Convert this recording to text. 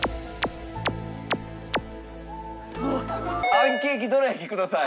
あんケーキどらやきください。